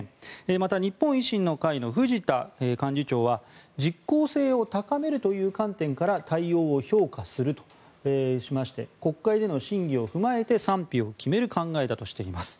また日本維新の会の藤田幹事長は実効性を高めるという観点から対応を評価するとしまして国会での審議を踏まえて賛否を決める考えだとしています。